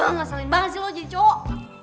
nggasalin banget sih lo jadi cowok